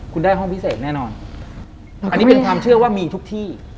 คุณได้ห้องพิเศษแน่นอนอันนี้เป็นความเชื่อว่ามีทุกที่